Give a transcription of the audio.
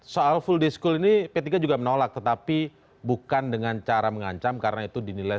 soal full day school ini p tiga juga menolak tetapi bukan dengan cara mengancam karena itu dinilai